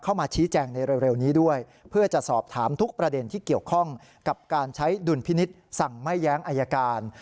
เข้ามาชี้แจงในเร็วนี้ด้วยเพื่อจะสอบถามทุกประเด็นที่เกี่ยวข้องกับการใช้ดุลพินิษฐ์สั่งไม่แย้งอายการ